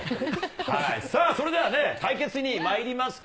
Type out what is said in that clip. さあそれではね、対決にまいりますか。